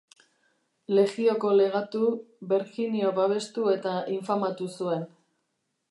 Legioko legatu, Verginio babestu eta infamatu zuen.